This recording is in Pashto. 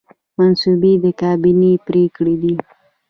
مصوبې د کابینې پریکړې دي